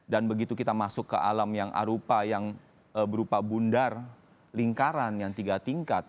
dan begitu kita masuk ke alam yang arupa yang berupa bundar lingkaran yang tiga tingkat